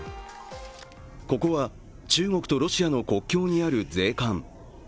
ここは中国とロシアの国境にある税関。